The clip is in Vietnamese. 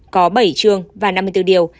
có bảy trường và năm mươi bốn điều